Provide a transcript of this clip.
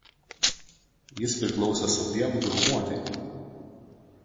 Jis priklausė Sapiegų grupuotei.